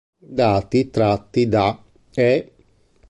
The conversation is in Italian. Dati tratti da: e.